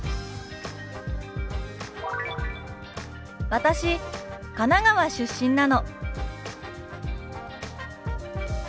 「私神奈川出身なの」。